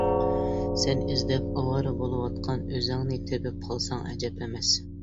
سەن ئىزدەپ ئاۋارە بولۇۋاتقان ئۆزۈڭنى تېپىپ قالساڭ ئەجەب ئەمەس.